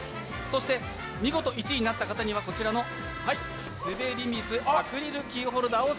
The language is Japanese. そして見事１位になった方にはすべり水アクリルキーホルダーを